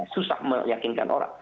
susah meyakinkan orang